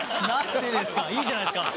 いいじゃないっすか。